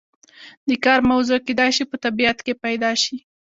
د کار موضوع کیدای شي په طبیعت کې پیدا شي.